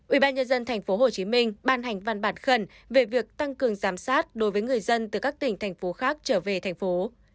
ubnd tp hcm ban hành văn bản khẩn về việc tăng cường giám sát đối với người dân từ các tỉnh thành phố khác trở về thành phố